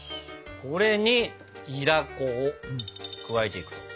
これにいら粉を加えていく。